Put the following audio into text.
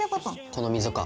この溝か。